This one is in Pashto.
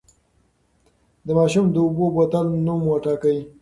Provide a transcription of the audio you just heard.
د ماشوم د اوبو بوتل نوم وټاکئ.